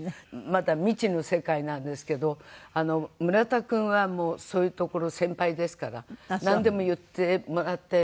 まだ未知の世界なんですけど村田君はもうそういうところ先輩ですからなんでも言ってもらって。